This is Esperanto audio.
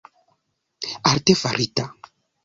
artefarita